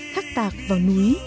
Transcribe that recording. khắc tạc vào núi